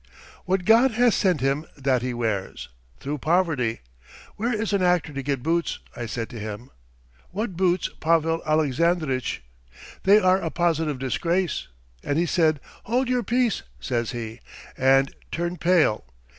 "What God has sent him, that he wears. Through poverty ... where is an actor to get boots? I said to him 'What boots, Pavel Alexandritch! They are a positive disgrace!' and he said: 'Hold your peace,' says he, 'and turn pale!